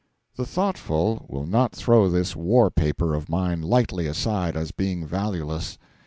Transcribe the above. The thoughtful will not throw this war paper of mine lightly aside as being valueless.